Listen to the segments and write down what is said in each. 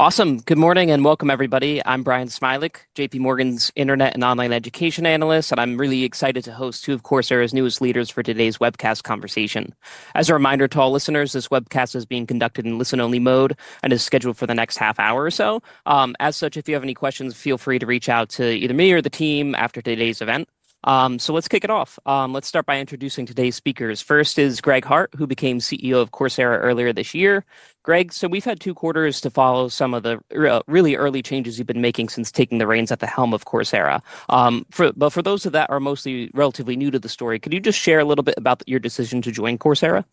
Awesome. Good morning and welcome, everybody. I'm Brian Smilick, JPMorgan's Internet and Online Education Analyst, and I'm really excited to host two of Coursera's newest leaders for today's webcast conversation. As a reminder to all listeners, this webcast is being conducted in listen-only mode and is scheduled for the next half hour or so. If you have any questions, feel free to reach out to either me or the team after today's event. Let's kick it off. Let's start by introducing today's speakers. First is Greg Hart, who became CEO of Coursera earlier this year. Greg, we've had two quarters to follow some of the really early changes you've been making since taking the reins at the helm of Coursera. For those of you that are mostly relatively new to the story, could you just share a little bit about your decision to join Coursera?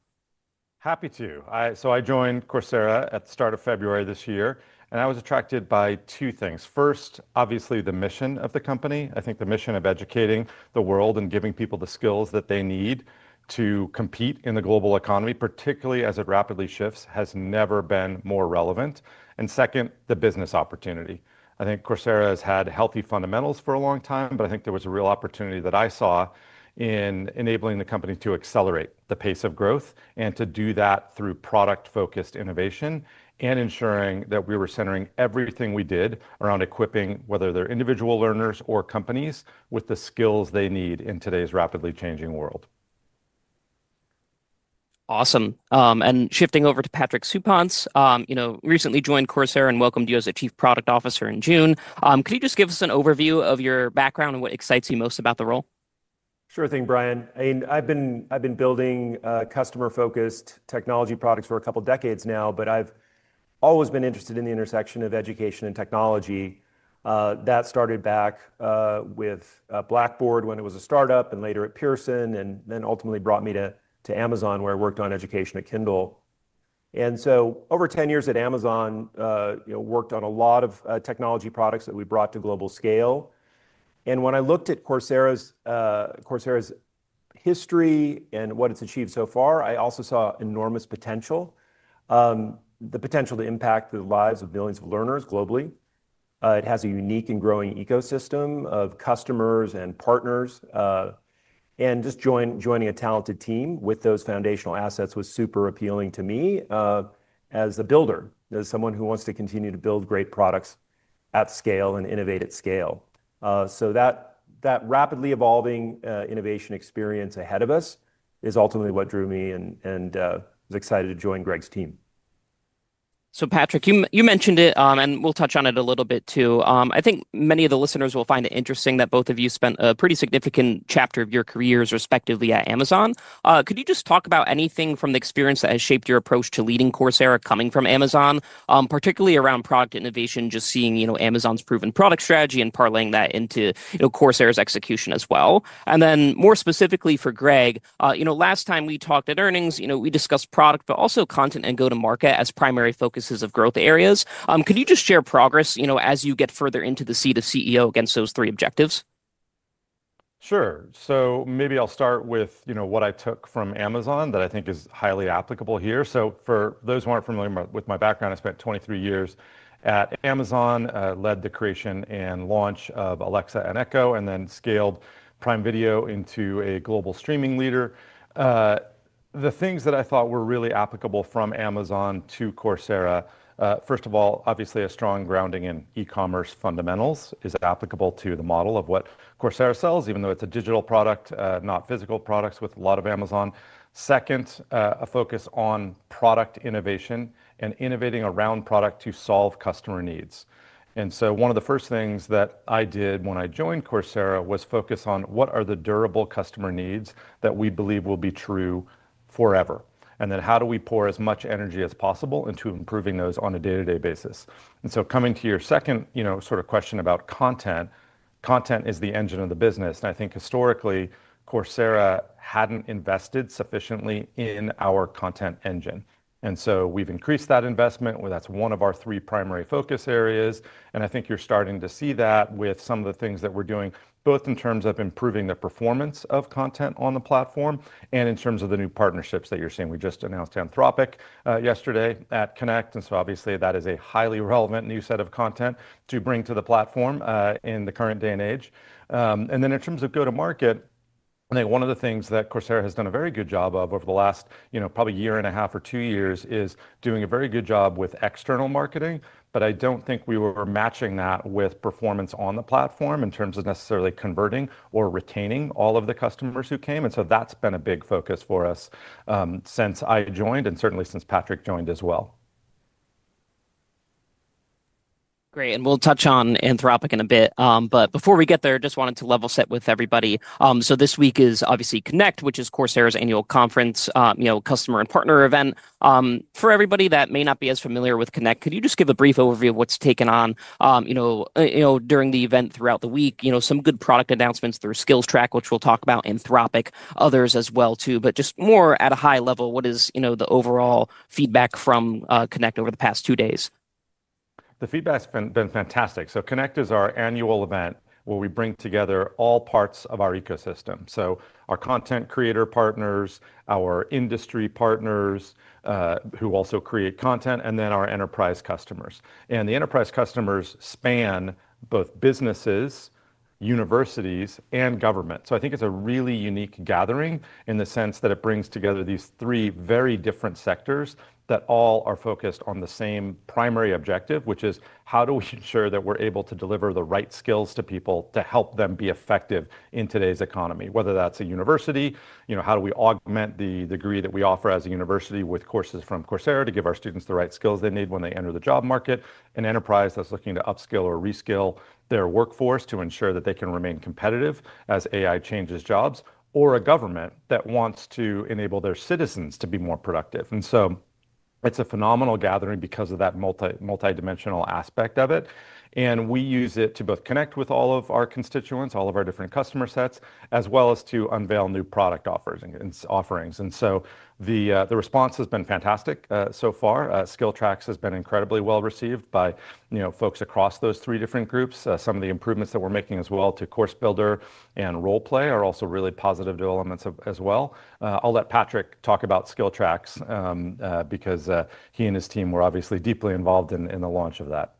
Happy to. I joined Coursera at the start of February this year, and I was attracted by two things. First, obviously, the mission of the company. I think the mission of educating the world and giving people the skills that they need to compete in the global economy, particularly as it rapidly shifts, has never been more relevant. Second, the business opportunity. I think Coursera has had healthy fundamentals for a long time, but I think there was a real opportunity that I saw in enabling the company to accelerate the pace of growth and to do that through product-focused innovation and ensuring that we were centering everything we did around equipping whether they're individual learners or companies with the skills they need in today's rapidly changing world. Awesome. Shifting over to Patrick Suppes, you recently joined Coursera and we welcomed you as Chief Product Officer in June. Could you just give us an overview of your background and what excites you most about the role? Sure thing, Brian. I've been building customer-focused technology products for a couple of decades now, but I've always been interested in the intersection of education and technology. That started back with Blackboard when it was a startup and later at Pearson and then ultimately brought me to Amazon, where I worked on education at Kindle. Over 10 years at Amazon, I worked on a lot of technology products that we brought to global scale. When I looked at Coursera's history and what it's achieved so far, I also saw enormous potential, the potential to impact the lives of millions of learners globally. It has a unique and growing ecosystem of customers and partners. Joining a talented team with those foundational assets was super appealing to me as a builder, as someone who wants to continue to build great products at scale and innovate at scale. That rapidly evolving innovation experience ahead of us is ultimately what drew me and I was excited to join Greg's team. Patrick, you mentioned it, and we'll touch on it a little bit too. I think many of the listeners will find it interesting that both of you spent a pretty significant chapter of your careers respectively at Amazon. Could you just talk about anything from the experience that has shaped your approach to leading Coursera coming from Amazon, particularly around product innovation, just seeing Amazon's proven product strategy and parlaying that into Coursera's execution as well? More specifically for Greg, you know, last time we talked at earnings, you know, we discussed product, but also content and go-to-market as primary focuses of growth areas. Could you just share progress, you know, as you get further into the seat of CEO against those three objectives? Sure. Maybe I'll start with what I took from Amazon that I think is highly applicable here. For those who aren't familiar with my background, I spent 23 years at Amazon, led the creation and launch of Alexa and Echo, and then scaled Prime Video into a global streaming leader. The things that I thought were really applicable from Amazon to Coursera, first of all, obviously a strong grounding in e-commerce fundamentals. Is it applicable to the model of what Coursera sells, even though it's a digital product, not physical products with a lot of Amazon? Second, a focus on product innovation and innovating around product to solve customer needs. One of the first things that I did when I joined Coursera was focus on what are the durable customer needs that we believe will be true forever? Then how do we pour as much energy as possible into improving those on a day-to-day basis? Coming to your second question about content, content is the engine of the business. I think historically, Coursera hadn't invested sufficiently in our content engine. We've increased that investment. That's one of our three primary focus areas. I think you're starting to see that with some of the things that we're doing, both in terms of improving the performance of content on the platform and in terms of the new partnerships that you're seeing. We just announced Anthropic yesterday at Connect. Obviously that is a highly relevant new set of content to bring to the platform in the current day and age. In terms of go-to-market, I think one of the things that Coursera has done a very good job of over the last probably a year and a half or two years is doing a very good job with external marketing. I don't think we were matching that with performance on the platform in terms of necessarily converting or retaining all of the customers who came. That's been a big focus for us since I joined and certainly since Patrick joined as well. Great. We'll touch on Anthropic in a bit. Before we get there, I just wanted to level set with everybody. This week is obviously Connect, which is Coursera's annual conference, customer and partner event. For everybody that may not be as familiar with Connect, could you just give a brief overview of what's taken on during the event throughout the week? There have been some good product announcements through SkillTrack, which we'll talk about, Anthropic, others as well too. Just more at a high level, what is the overall feedback from Connect over the past two days? The feedback's been fantastic. Connect is our annual event where we bring together all parts of our ecosystem: our content creator partners, our industry partners who also create content, and then our enterprise customers. The enterprise customers span businesses, universities, and government. I think it's a really unique gathering in the sense that it brings together these three very different sectors that all are focused on the same primary objective, which is how do we ensure that we're able to deliver the right skills to people to help them be effective in today's economy? Whether that's a university, you know, how do we augment the degree that we offer as a university with courses from Coursera to give our students the right skills they need when they enter the job market, an enterprise that's looking to upskill or reskill their workforce to ensure that they can remain competitive as AI changes jobs, or a government that wants to enable their citizens to be more productive. It's a phenomenal gathering because of that multi-dimensional aspect of it. We use it to both connect with all of our constituents, all of our different customer sets, as well as to unveil new product offerings. The response has been fantastic so far. SkillTrack has been incredibly well received by folks across those three different groups. Some of the improvements that we're making as well to CourseBuilder and Roleplay are also really positive developments. I'll let Patrick talk about SkillTrack because he and his team were obviously deeply involved in the launch of that.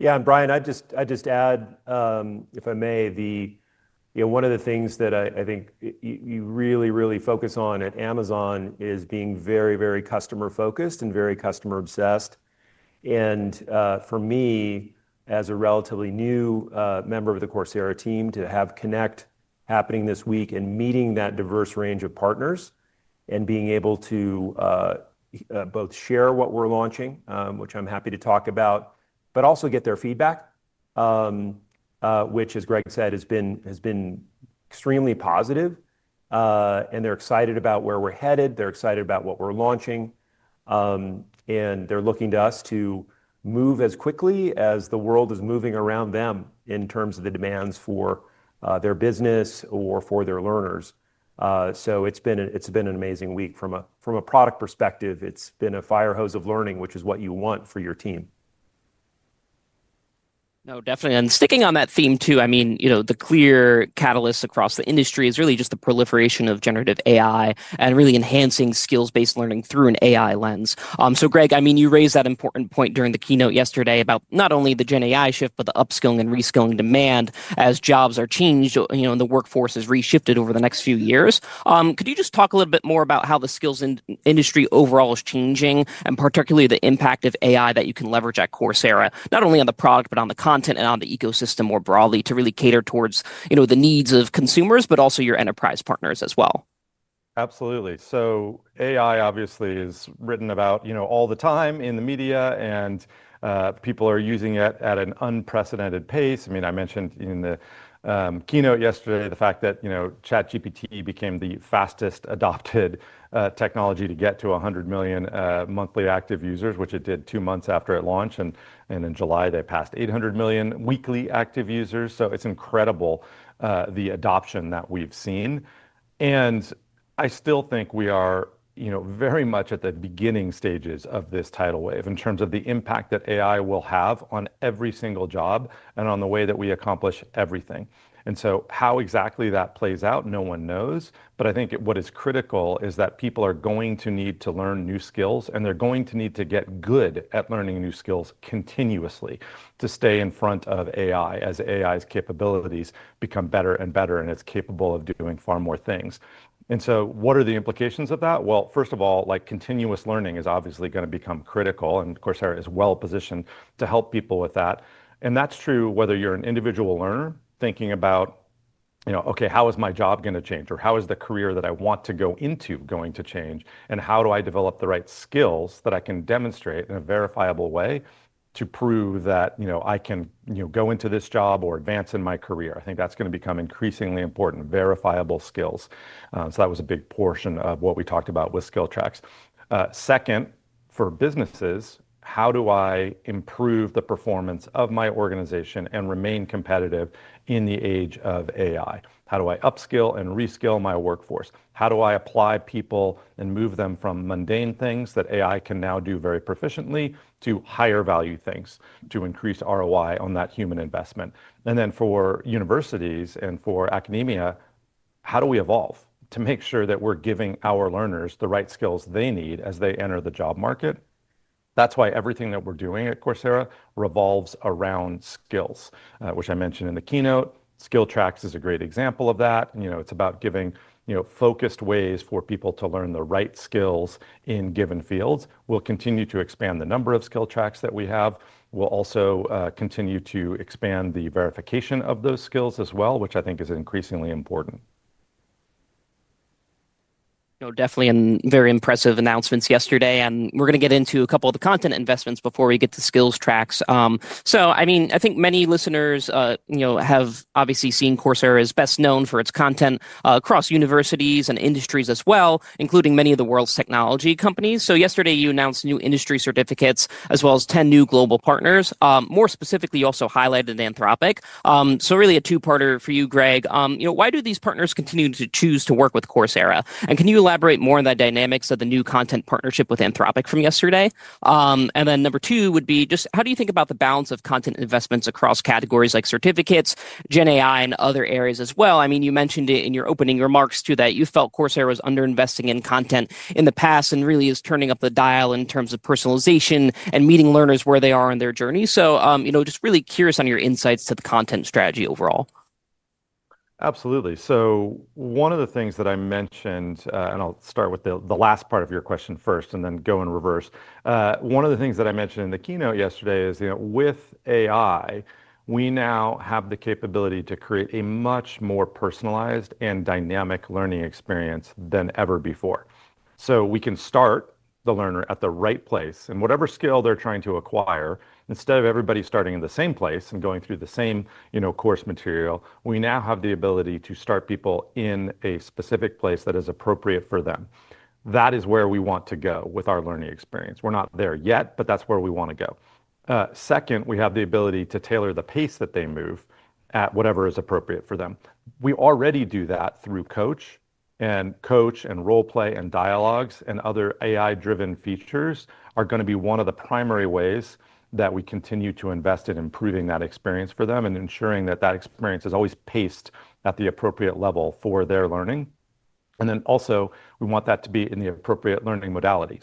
Yeah, Brian, I'd just add, if I may, one of the things that I think you really focus on at Amazon is being very customer-focused and very customer-obsessed. For me, as a relatively new member of the Coursera team, to have Connect happening this week and meeting that diverse range of partners and being able to both share what we're launching, which I'm happy to talk about, but also get their feedback, which, as Greg said, has been extremely positive. They're excited about where we're headed. They're excited about what we're launching. They're looking to us to move as quickly as the world is moving around them in terms of the demands for their business or for their learners. It's been an amazing week from a product perspective. It's been a firehose of learning, which is what you want for your team. No, definitely. Sticking on that theme too, the clear catalyst across the industry is really just the proliferation of generative AI and really enhancing skills-based learning through an AI lens. Greg, you raised that important point during the keynote yesterday about not only the GenAI shift, but the upskilling and reskilling demand as jobs are changed. The workforce has reshifted over the next few years. Could you just talk a little bit more about how the skills industry overall is changing and particularly the impact of AI that you can leverage at Coursera, not only on the product, but on the content and on the ecosystem more broadly to really cater towards the needs of consumers, but also your enterprise partners as well? Absolutely. AI obviously is written about all the time in the media, and people are using it at an unprecedented pace. I mentioned in the keynote yesterday the fact that ChatGPT became the fastest adopted technology to get to 100 million monthly active users, which it did two months after it launched. In July, they passed 800 million weekly active users. It's incredible, the adoption that we've seen. I still think we are very much at the beginning stages of this tidal wave in terms of the impact that AI will have on every single job and on the way that we accomplish everything. How exactly that plays out, no one knows. What is critical is that people are going to need to learn new skills, and they're going to need to get good at learning new skills continuously to stay in front of AI as AI capabilities become better and better, and it's capable of doing far more things. What are the implications of that? First of all, continuous learning is obviously going to become critical, and Coursera is well positioned to help people with that. That's true whether you're an individual learner thinking about how your job is going to change, or how the career that you want to go into is going to change, and how you develop the right skills that you can demonstrate in a verifiable way to prove that you can go into this job or advance in your career. I think that's going to become increasingly important, verifiable skills. That was a big portion of what we talked about with SkillTrack. Second, for businesses, how do I improve the performance of my organization and remain competitive in the age of AI? How do I upskill and reskill my workforce? How do I apply people and move them from mundane things that AI can now do very proficiently to higher value things to increase ROI on that human investment? For universities and for academia, how do we evolve to make sure that we're giving our learners the right skills they need as they enter the job market? That's why everything that we're doing at Coursera revolves around skills, which I mentioned in the keynote. SkillTrack is a great example of that. It's about giving focused ways for people to learn the right skills in given fields. We'll continue to expand the number of SkillTracks that we have. We'll also continue to expand the verification of those skills as well, which I think is increasingly important. No, definitely very impressive announcements yesterday. We're going to get into a couple of the content investments before we get to SkillTrack. I think many listeners have obviously seen Coursera is best known for its content across universities and industries as well, including many of the world's technology companies. Yesterday you announced new industry certificates as well as 10 new global partners. More specifically, you also highlighted Anthropic. Really a two-parter for you, Greg. Why do these partners continue to choose to work with Coursera? Can you elaborate more on the dynamics of the new content partnership with Anthropic from yesterday? Number two would be just how do you think about the balance of content investments across categories like certificates, GenAI, and other areas as well? You mentioned it in your opening remarks too that you felt Coursera was underinvesting in content in the past and really is turning up the dial in terms of personalization and meeting learners where they are in their journey. Just really curious on your insights to the content strategy overall. Absolutely. One of the things that I mentioned, and I'll start with the last part of your question first and then go in reverse. One of the things that I mentioned in the keynote yesterday is, you know, with AI, we now have the capability to create a much more personalized and dynamic learning experience than ever before. We can start the learner at the right place in whatever skill they're trying to acquire. Instead of everybody starting in the same place and going through the same, you know, course material, we now have the ability to start people in a specific place that is appropriate for them. That is where we want to go with our learning experience. We're not there yet, but that's where we want to go. Second, we have the ability to tailor the pace that they move at, whatever is appropriate for them. We already do that through Coach, and Coach and Roleplay and Dialog and other AI-driven features are going to be one of the primary ways that we continue to invest in improving that experience for them and ensuring that that experience is always paced at the appropriate level for their learning. We want that to be in the appropriate learning modality.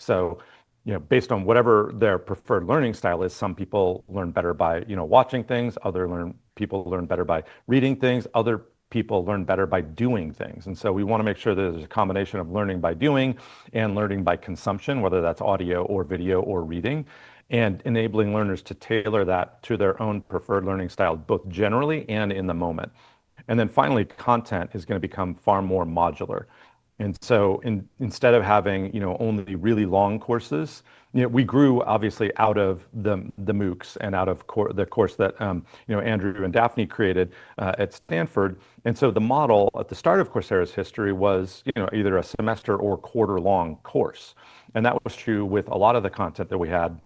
Based on whatever their preferred learning style is, some people learn better by watching things. Other people learn better by reading things. Other people learn better by doing things. We want to make sure that there's a combination of learning by doing and learning by consumption, whether that's audio or video or reading, and enabling learners to tailor that to their own preferred learning style, both generally and in the moment. Finally, content is going to become far more modular. Instead of having only really long courses, we grew obviously out of the MOOCs and out of the course that Andrew and Daphne created at Stanford. The model at the start of Coursera's history was either a semester or quarter-long course. That was true with a lot of the content that we had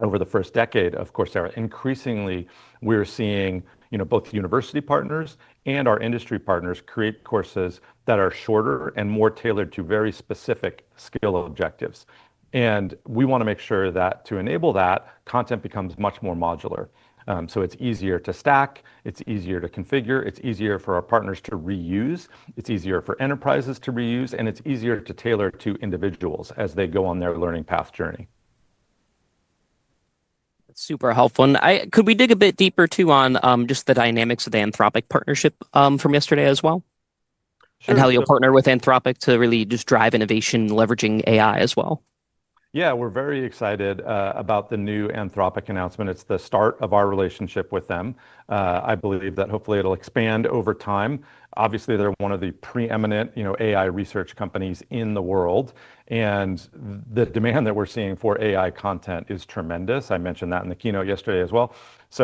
over the first decade of Coursera. Increasingly, we're seeing both university partners and our industry partners create courses that are shorter and more tailored to very specific skill objectives. We want to make sure that to enable that, content becomes much more modular. It's easier to stack. It's easier to configure. It's easier for our partners to reuse. It's easier for enterprises to reuse. It's easier to tailor to individuals as they go on their learning path journey. That's super helpful. Could we dig a bit deeper too on just the dynamics of the Anthropic partnership from yesterday as well, and how you'll partner with Anthropic to really just drive innovation, leveraging AI as well? Yeah, we're very excited about the new Anthropic announcement. It's the start of our relationship with them. I believe that hopefully it'll expand over time. Obviously, they're one of the preeminent AI research companies in the world. The demand that we're seeing for AI content is tremendous. I mentioned that in the keynote yesterday as well.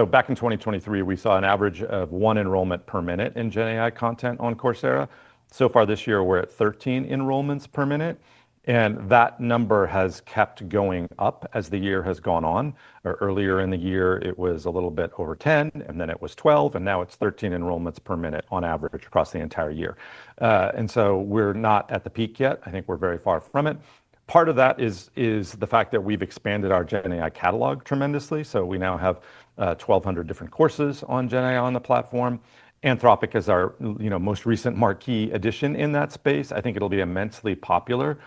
Back in 2023, we saw an average of one enrollment per minute in GenAI content on Coursera. So far this year, we're at 13 enrollments per minute. That number has kept going up as the year has gone on. Earlier in the year, it was a little bit over 10, then it was 12, and now it's 13 enrollments per minute on average across the entire year. We're not at the peak yet. I think we're very far from it. Part of that is the fact that we've expanded our GenAI catalog tremendously. We now have 1,200 different courses on GenAI on the platform. Anthropic is our most recent marquee addition in that space. I think it'll be immensely popular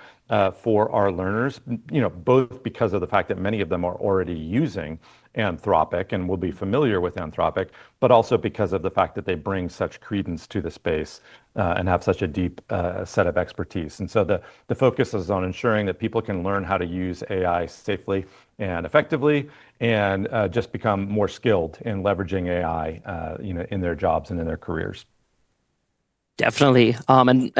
for our learners, both because of the fact that many of them are already using Anthropic and will be familiar with Anthropic, but also because of the fact that they bring such credence to the space and have such a deep set of expertise. The focus is on ensuring that people can learn how to use AI safely and effectively and just become more skilled in leveraging AI in their jobs and in their careers. Definitely.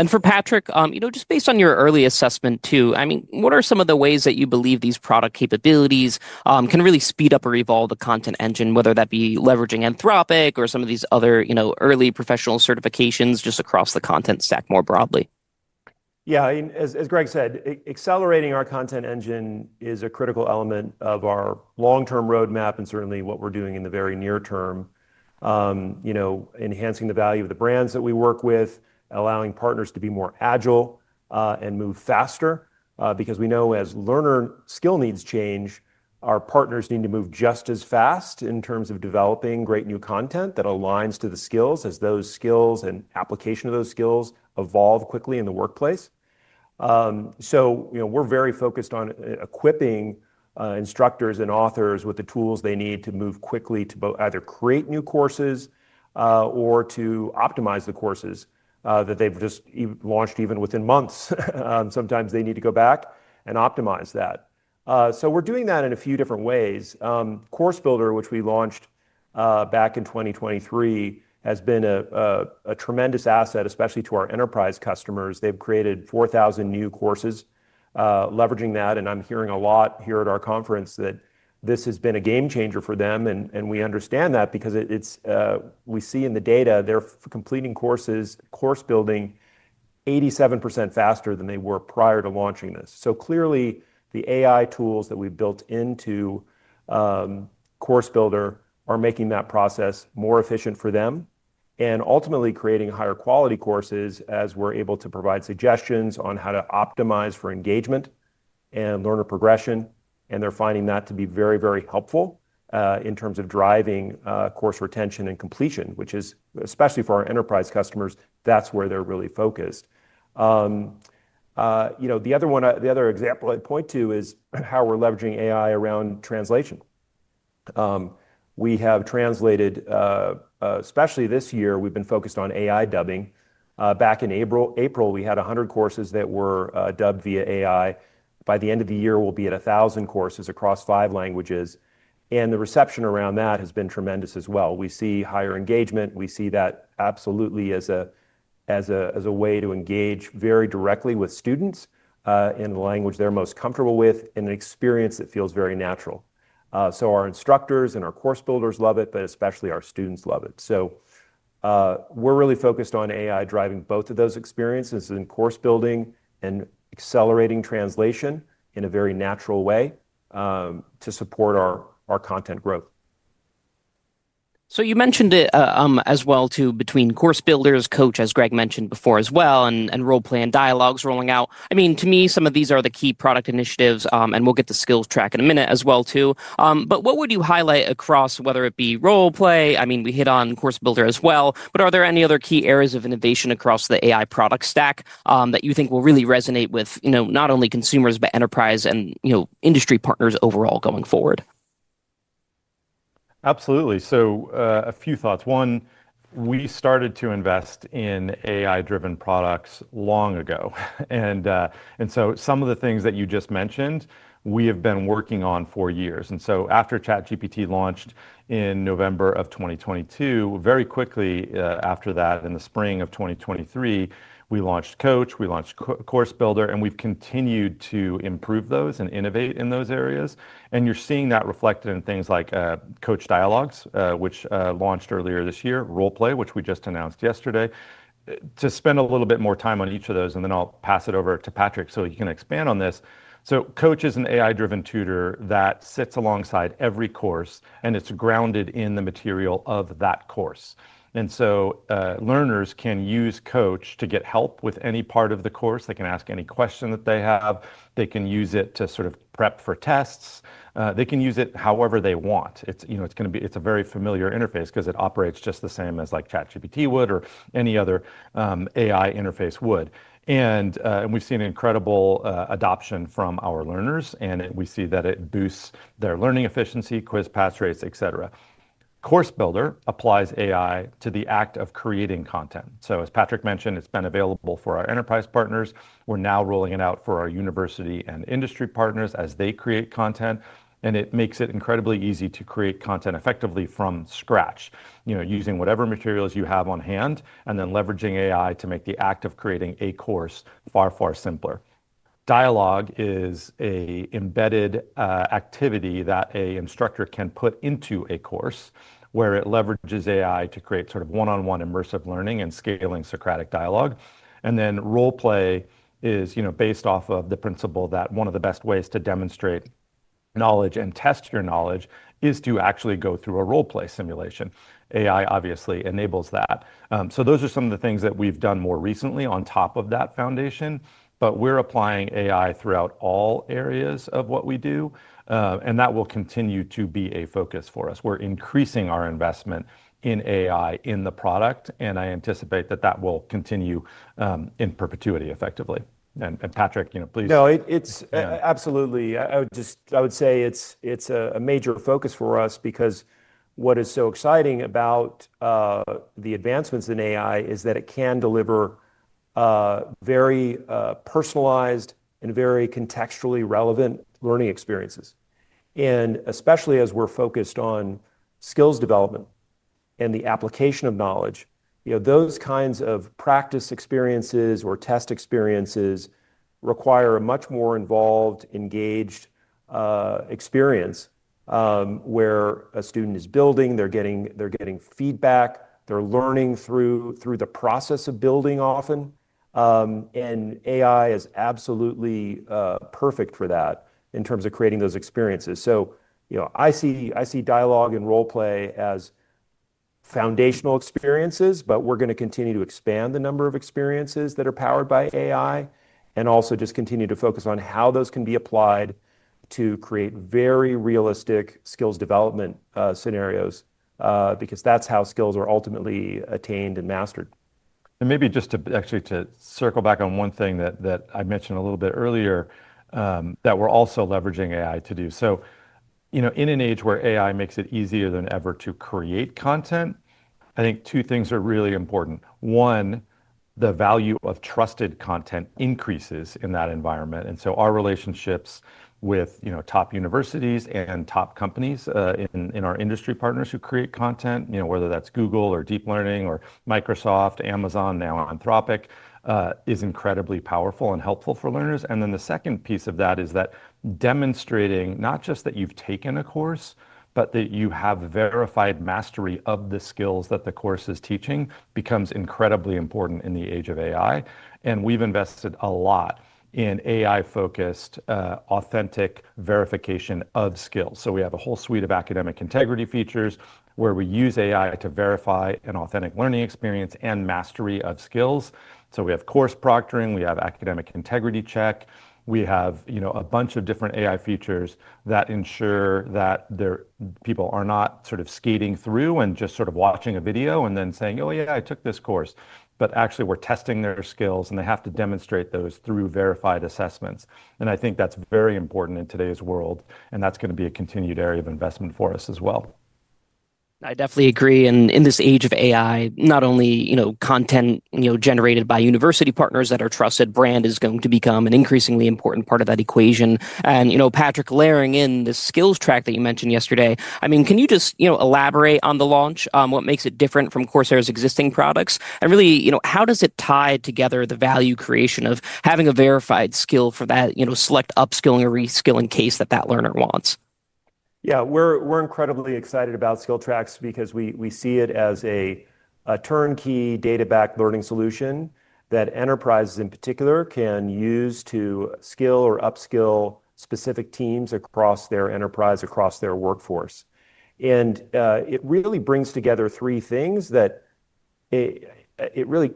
For Patrick, just based on your early assessment too, what are some of the ways that you believe these product capabilities can really speed up or evolve the content engine, whether that be leveraging Anthropic or some of these other early professional certifications just across the content stack more broadly? Yeah, I mean, as Greg said, accelerating our content engine is a critical element of our long-term roadmap and certainly what we're doing in the very near term. Enhancing the value of the brands that we work with, allowing partners to be more agile and move faster, because we know as learner skill needs change, our partners need to move just as fast in terms of developing great new content that aligns to the skills as those skills and application of those skills evolve quickly in the workplace. We're very focused on equipping instructors and authors with the tools they need to move quickly to both either create new courses or to optimize the courses that they've just launched even within months. Sometimes they need to go back and optimize that. We're doing that in a few different ways. CourseBuilder, which we launched back in 2023, has been a tremendous asset, especially to our enterprise customers. They've created 4,000 new courses leveraging that. I'm hearing a lot here at our conference that this has been a game changer for them. We understand that because we see in the data they're completing courses, course building 87% faster than they were prior to launching this. Clearly, the AI capabilities that we've built into CourseBuilder are making that process more efficient for them and ultimately creating higher quality courses as we're able to provide suggestions on how to optimize for engagement and learner progression. They're finding that to be very, very helpful in terms of driving course retention and completion, which is especially for our enterprise customers. That's where they're really focused. The other example I'd point to is how we're leveraging AI around translation. We have translated, especially this year, we've been focused on AI dubbing. Back in April, we had 100 courses that were dubbed via AI. By the end of the year, we'll be at 1,000 courses across five languages. The reception around that has been tremendous as well. We see higher engagement. We see that absolutely as a way to engage very directly with students in the language they're most comfortable with in an experience that feels very natural. Our instructors and our course builders love it, but especially our students love it. We're really focused on AI driving both of those experiences in course building and accelerating translation in a very natural way to support our content growth. You mentioned it as well between CourseBuilder, Coach, as Greg mentioned before as well, and Roleplay and Dialog rolling out. To me, some of these are the key product initiatives, and we'll get to SkillTrack in a minute as well. What would you highlight across, whether it be Roleplay? We hit on CourseBuilder as well, but are there any other key areas of innovation across the AI product stack that you think will really resonate with not only consumers, but enterprise and industry partners overall going forward? Absolutely. A few thoughts. One, we started to invest in AI-driven products long ago. Some of the things that you just mentioned, we have been working on for years. After ChatGPT launched in November 2022, very quickly after that, in the spring of 2023, we launched Coach, we launched CourseBuilder, and we've continued to improve those and innovate in those areas. You're seeing that reflected in things like Coach Dialog, which launched earlier this year, and Roleplay, which we just announced yesterday. To spend a little bit more time on each of those, then I'll pass it over to Patrick so he can expand on this. Coach is an AI-driven tutor that sits alongside every course, and it's grounded in the material of that course. Learners can use Coach to get help with any part of the course. They can ask any question that they have. They can use it to prep for tests. They can use it however they want. It's a very familiar interface because it operates just the same as ChatGPT would or any other AI interface would. We've seen incredible adoption from our learners, and we see that it boosts their learning efficiency, quiz pass rates, etc. CourseBuilder applies AI to the act of creating content. As Patrick mentioned, it's been available for our enterprise partners. We're now rolling it out for our university and industry partners as they create content. It makes it incredibly easy to create content effectively from scratch using whatever materials you have on hand and then leveraging AI to make the act of creating a course far, far simpler. Dialog is an embedded activity that an instructor can put into a course where it leverages AI to create one-on-one immersive learning and scaling Socratic dialogue. Roleplay is based off of the principle that one of the best ways to demonstrate knowledge and test your knowledge is to actually go through a roleplay simulation. AI obviously enables that. Those are some of the things that we've done more recently on top of that foundation. We're applying AI throughout all areas of what we do. That will continue to be a focus for us. We're increasing our investment in AI in the product. I anticipate that will continue in perpetuity effectively. Patrick, please. No, it's absolutely, I would just say it's a major focus for us because what is so exciting about the advancements in AI is that it can deliver very personalized and very contextually relevant learning experiences. Especially as we're focused on skills development and the application of knowledge, those kinds of practice experiences or test experiences require a much more involved, engaged experience where a student is building, they're getting feedback, they're learning through the process of building often. AI is absolutely perfect for that in terms of creating those experiences. I see Dialog and Roleplay as foundational experiences, but we're going to continue to expand the number of experiences that are powered by AI and also just continue to focus on how those can be applied to create very realistic skills development scenarios because that's how skills are ultimately attained and mastered. To actually circle back on one thing that I mentioned a little bit earlier that we're also leveraging AI to do, in an age where AI makes it easier than ever to create content, I think two things are really important. One, the value of trusted content increases in that environment. Our relationships with top universities and top companies in our industry partners who create content, whether that's Google or Deep Learning or Microsoft, Amazon, now Anthropic, is incredibly powerful and helpful for learners. The second piece of that is that demonstrating not just that you've taken a course, but that you have verified mastery of the skills that the course is teaching becomes incredibly important in the age of AI. We've invested a lot in AI-focused, authentic verification of skills. We have a whole suite of academic integrity features where we use AI to verify an authentic learning experience and mastery of skills. We have course proctoring, we have academic integrity check, we have a bunch of different AI features that ensure that people are not sort of skating through and just sort of watching a video and then saying, "Oh yeah, I took this course." Actually, we're testing their skills and they have to demonstrate those through verified assessments. I think that's very important in today's world. That's going to be a continued area of investment for us as well. I definitely agree. In this age of AI, not only content generated by university partners that are trusted, brand is going to become an increasingly important part of that equation. Patrick, layering in the SkillTrack that you mentioned yesterday, can you elaborate on the launch? What makes it different from Coursera's existing products? How does it tie together the value creation of having a verified skill for that select upskilling or reskilling case that learner wants? Yeah, we're incredibly excited about SkillTrack because we see it as a turnkey, data-backed learning solution that enterprises in particular can use to skill or upskill specific teams across their enterprise, across their workforce. It really brings together three things that it really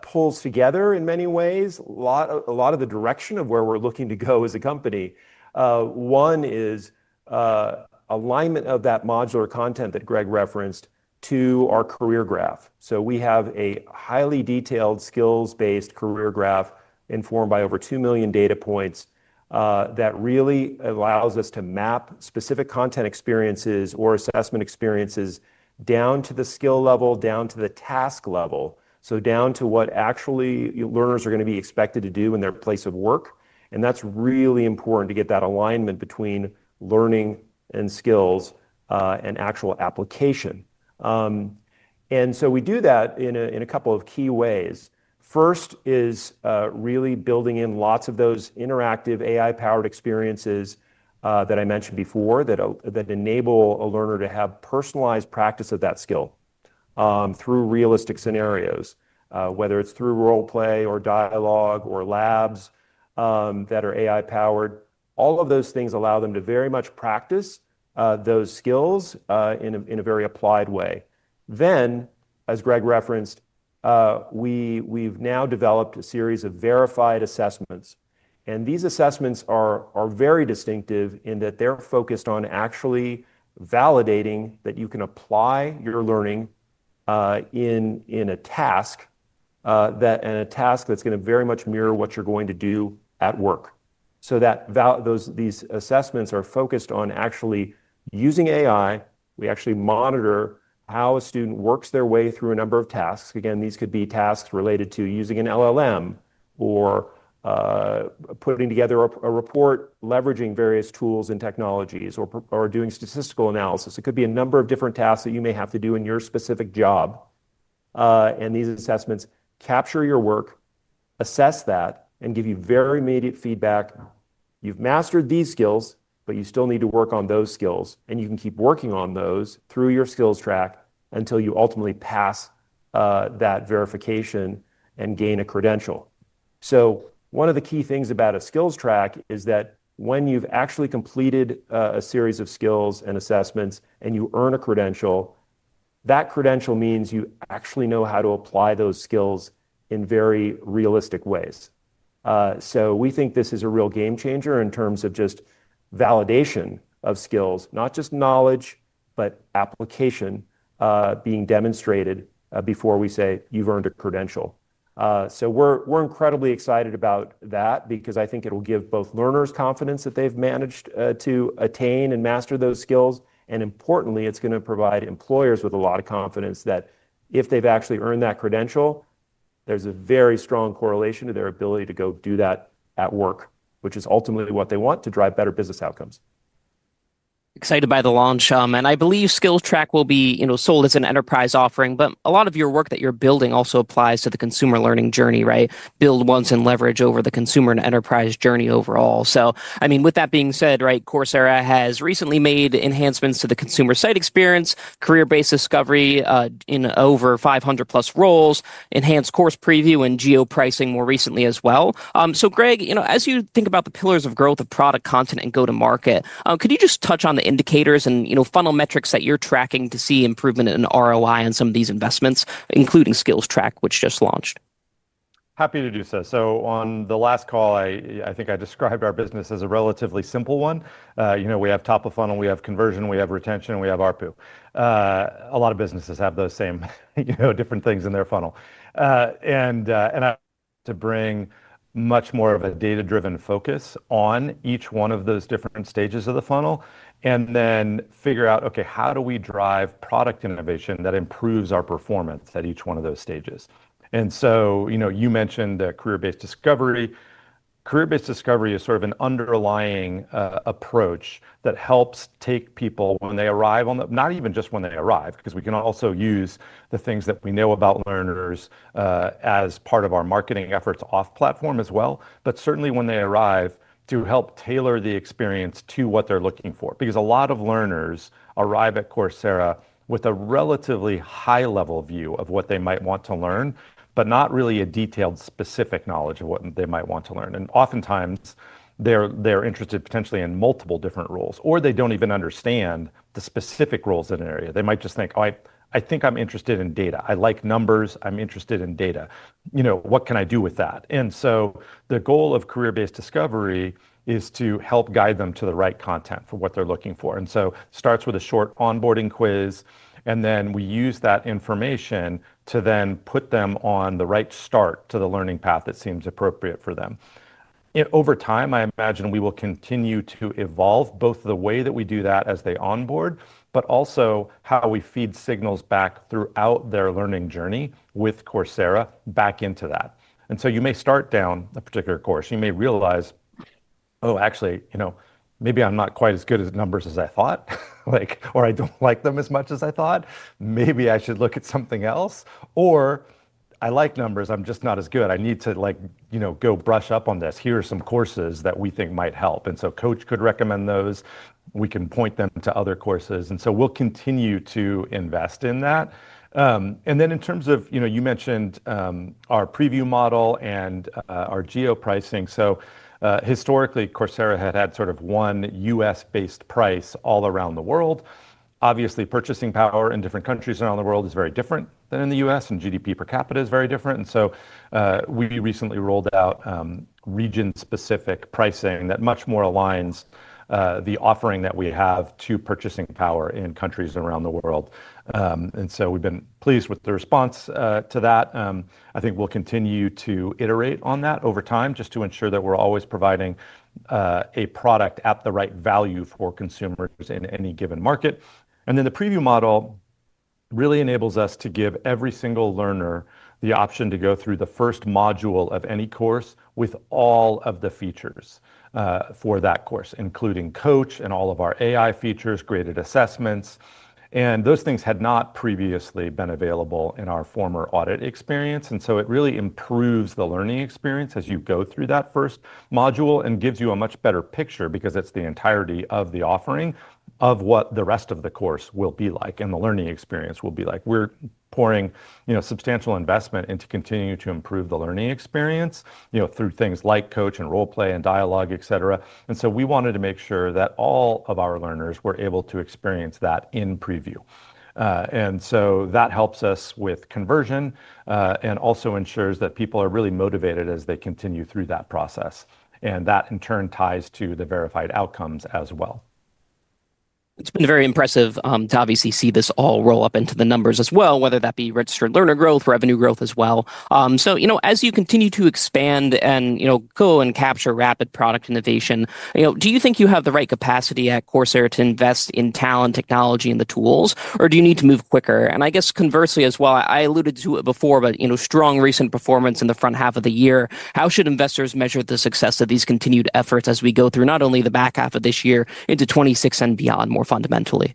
pulls together in many ways, a lot of the direction of where we're looking to go as a company. One is alignment of that modular content that Greg referenced to our career graph. We have a highly detailed, skills-based career graph informed by over 2 million data points that really allows us to map specific content experiences or assessment experiences down to the skill level, down to the task level, down to what actually learners are going to be expected to do in their place of work. That's really important to get that alignment between learning and skills and actual application. We do that in a couple of key ways. First is really building in lots of those interactive, AI-powered experiences that I mentioned before that enable a learner to have personalized practice of that skill through realistic scenarios, whether it's through Roleplay or Dialog or labs that are AI-powered. All of those things allow them to very much practice those skills in a very applied way. As Greg referenced, we've now developed a series of verified assessments. These assessments are very distinctive in that they're focused on actually validating that you can apply your learning in a task, and a task that's going to very much mirror what you're going to do at work. These assessments are focused on actually using AI. We actually monitor how a student works their way through a number of tasks. These could be tasks related to using an LLM or putting together a report, leveraging various tools and technologies, or doing statistical analysis. It could be a number of different tasks that you may have to do in your specific job. These assessments capture your work, assess that, and give you very immediate feedback. You've mastered these skills, but you still need to work on those skills, and you can keep working on those through your SkillTrack until you ultimately pass that verification and gain a credential. One of the key things about a SkillTrack is that when you've actually completed a series of skills and assessments and you earn a credential, that credential means you actually know how to apply those skills in very realistic ways. We think this is a real game changer in terms of just validation of skills, not just knowledge, but application being demonstrated before we say you've earned a credential. We're incredibly excited about that because I think it'll give both learners confidence that they've managed to attain and master those skills. Importantly, it's going to provide employers with a lot of confidence that if they've actually earned that credential, there's a very strong correlation to their ability to go do that at work, which is ultimately what they want to drive better business outcomes. Excited by the launch. I believe SkillTrack will be, you know, sold as an enterprise offering, but a lot of your work that you're building also applies to the consumer learning journey, right? Build once and leverage over the consumer and enterprise journey overall. Coursera has recently made enhancements to the consumer site experience, career-based discovery in over 500+ roles, enhanced course preview, and geo-pricing more recently as well. Greg, you know, as you think about the pillars of growth of product, content, and go-to-market, could you just touch on the indicators and, you know, funnel metrics that you're tracking to see improvement in ROI on some of these investments, including SkillTrack, which just launched? Happy to do so. On the last call, I think I described our business as a relatively simple one. We have top of funnel, we have conversion, we have retention, and we have ARPU. A lot of businesses have those same different things in their funnel. I want to bring much more of a data-driven focus on each one of those different stages of the funnel and then figure out, okay, how do we drive product innovation that improves our performance at each one of those stages? You mentioned career-based discovery. Career-based discovery is sort of an underlying approach that helps take people when they arrive on the, not even just when they arrive, because we can also use the things that we know about learners as part of our marketing efforts off platform as well, but certainly when they arrive to help tailor the experience to what they're looking for. A lot of learners arrive at Coursera with a relatively high-level view of what they might want to learn, but not really a detailed specific knowledge of what they might want to learn. Oftentimes, they're interested potentially in multiple different roles, or they don't even understand the specific roles in an area. They might just think, "Oh, I think I'm interested in data. I like numbers. I'm interested in data. You know, what can I do with that?" The goal of career-based discovery is to help guide them to the right content for what they're looking for. It starts with a short onboarding quiz, and then we use that information to then put them on the right start to the learning path that seems appropriate for them. Over time, I imagine we will continue to evolve both the way that we do that as they onboard, but also how we feed signals back throughout their learning journey with Coursera back into that. You may start down a particular course. You may realize, "Oh, actually, you know, maybe I'm not quite as good at numbers as I thought, like, or I don't like them as much as I thought. Maybe I should look at something else, or I like numbers. I'm just not as good. I need to, like, you know, go brush up on this. Here are some courses that we think might help." Coach could recommend those. We can point them to other courses. We'll continue to invest in that. In terms of, you know, you mentioned our preview model and our geo-pricing. Historically, Coursera had had sort of one U.S.-based price all around the world. Obviously, purchasing power in different countries around the world is very different than in the U.S., and GDP per capita is very different. We recently rolled out region-specific pricing that much more aligns the offering that we have to purchasing power in countries around the world. We've been pleased with the response to that. I think we'll continue to iterate on that over time just to ensure that we're always providing a product at the right value for consumers in any given market. The preview model really enables us to give every single learner the option to go through the first module of any course with all of the features for that course, including Coach and all of our AI capabilities, graded assessments. Those things had not previously been available in our former audit experience. It really improves the learning experience as you go through that first module and gives you a much better picture because it's the entirety of the offering of what the rest of the course will be like and the learning experience will be like. We're pouring substantial investment into continuing to improve the learning experience through things like Coach and Roleplay and Dialog, et cetera. We wanted to make sure that all of our learners were able to experience that in preview. That helps us with conversion and also ensures that people are really motivated as they continue through that process. That in turn ties to the verified outcomes as well. It's been very impressive to obviously see this all roll up into the numbers as well, whether that be registered learner growth, revenue growth as well. As you continue to expand and go and capture rapid product innovation, do you think you have the right capacity at Coursera to invest in talent, technology, and the tools, or do you need to move quicker? Conversely as well, I alluded to it before, but strong recent performance in the front half of the year. How should investors measure the success of these continued efforts as we go through not only the back half of this year into 2026 and beyond more fundamentally?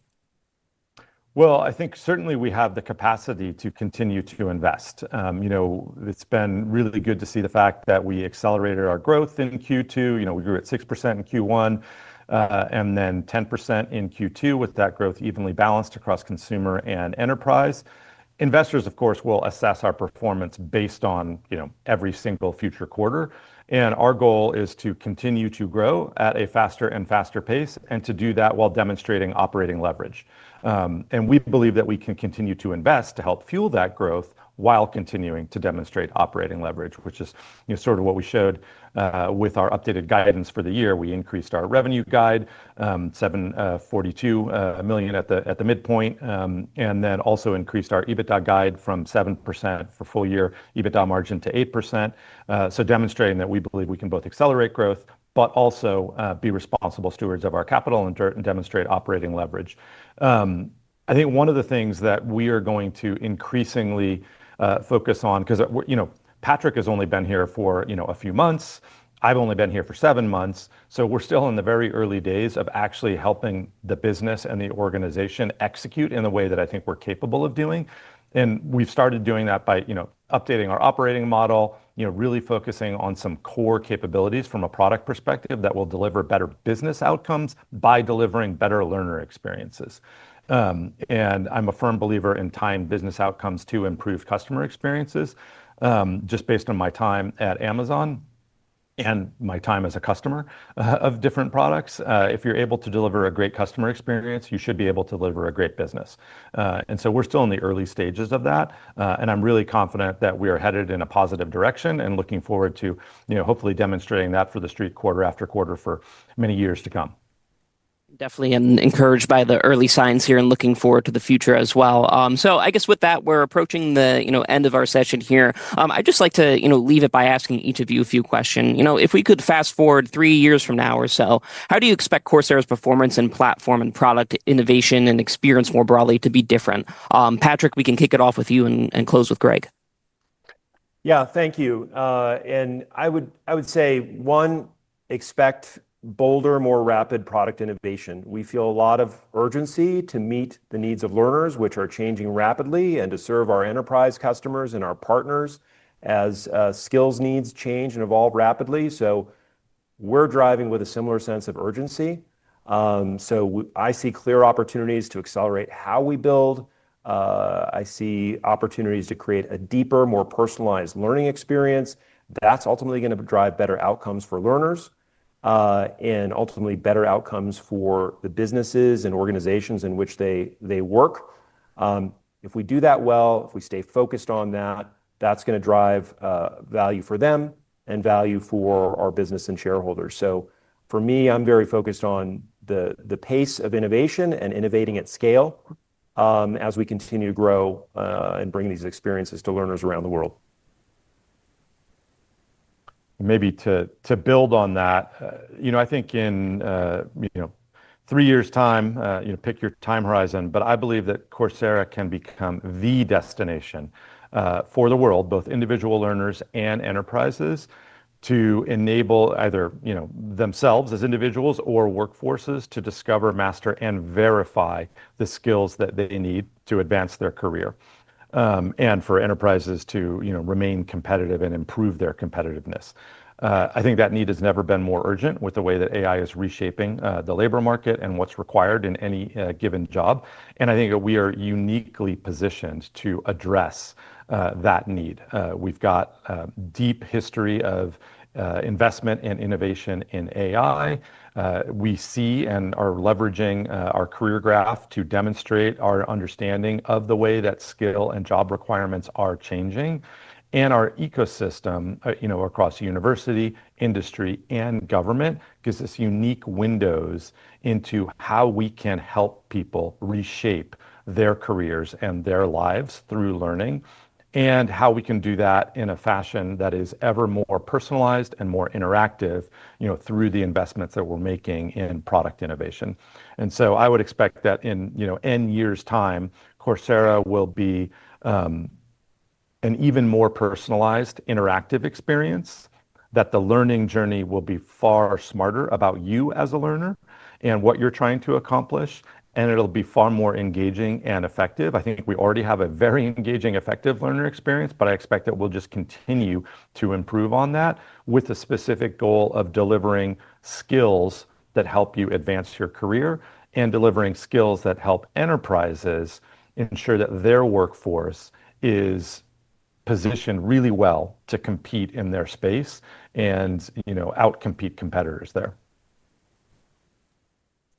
I think certainly we have the capacity to continue to invest. It's been really good to see the fact that we accelerated our growth in Q2. We grew at 6% in Q1 and then 10% in Q2 with that growth evenly balanced across consumer and enterprise. Investors, of course, will assess our performance based on every single future quarter. Our goal is to continue to grow at a faster and faster pace and to do that while demonstrating operating leverage. We believe that we can continue to invest to help fuel that growth while continuing to demonstrate operating leverage, which is what we showed with our updated guidance for the year. We increased our revenue guide to $742 million at the midpoint and also increased our EBITDA guide from 7% for full year EBITDA margin to 8%. This demonstrates that we believe we can both accelerate growth but also be responsible stewards of our capital and demonstrate operating leverage. One of the things that we are going to increasingly focus on, because Patrick has only been here for a few months, and I've only been here for seven months, is that we're still in the very early days of actually helping the business and the organization execute in a way that I think we're capable of doing. We've started doing that by updating our operating model, really focusing on some core capabilities from a product perspective that will deliver better business outcomes by delivering better learner experiences. I'm a firm believer in tying business outcomes to improved customer experiences, just based on my time at Amazon and my time as a customer of different products. If you're able to deliver a great customer experience, you should be able to deliver a great business. We're still in the early stages of that. I'm really confident that we are headed in a positive direction and looking forward to hopefully demonstrating that for the street quarter after quarter for many years to come. Definitely encouraged by the early signs here and looking forward to the future as well. With that, we're approaching the end of our session here. I'd just like to leave it by asking each of you a few questions. If we could fast forward three years from now or so, how do you expect Coursera's performance and platform and product innovation and experience more broadly to be different? Patrick, we can kick it off with you and close with Greg. Thank you. I would say, one, expect bolder, more rapid product innovation. We feel a lot of urgency to meet the needs of learners, which are changing rapidly, and to serve our enterprise customers and our partners as skills needs change and evolve rapidly. We're driving with a similar sense of urgency. I see clear opportunities to accelerate how we build. I see opportunities to create a deeper, more personalized learning experience. That's ultimately going to drive better outcomes for learners and ultimately better outcomes for the businesses and organizations in which they work. If we do that well, if we stay focused on that, that's going to drive value for them and value for our business and shareholders. For me, I'm very focused on the pace of innovation and innovating at scale as we continue to grow and bring these experiences to learners around the world. Maybe to build on that, I think in three years' time, pick your time horizon, but I believe that Coursera can become the destination for the world, both individual learners and enterprises, to enable either themselves as individuals or workforces to discover, master, and verify the skills that they need to advance their career and for enterprises to remain competitive and improve their competitiveness. I think that need has never been more urgent with the way that AI is reshaping the labor market and what's required in any given job. I think that we are uniquely positioned to address that need. We've got a deep history of investment in innovation in AI. We see and are leveraging our career graph to demonstrate our understanding of the way that skill and job requirements are changing. Our ecosystem across university, industry, and government gives us unique windows into how we can help people reshape their careers and their lives through learning and how we can do that in a fashion that is ever more personalized and more interactive through the investments that we're making in product innovation. I would expect that in n years' time, Coursera will be an even more personalized, interactive experience, that the learning journey will be far smarter about you as a learner and what you're trying to accomplish. It'll be far more engaging and effective. I think we already have a very engaging, effective learner experience, but I expect that we'll just continue to improve on that with a specific goal of delivering skills that help you advance your career and delivering skills that help enterprises ensure that their workforce is positioned really well to compete in their space and outcompete competitors there.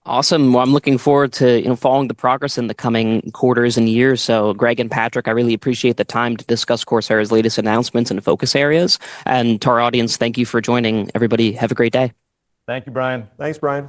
I'm looking forward to following the progress in the coming quarters and years. Greg and Patrick, I really appreciate the time to discuss Coursera's latest announcements and focus areas. To our audience, thank you for joining. Everybody, have a great day. Thank you, Brian. Thanks, Brian.